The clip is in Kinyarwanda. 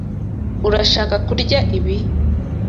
Urashaka kurya ibi?